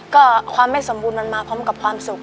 ก็ความไม่สมบูรณ์มันมาพร้อมกับความสุข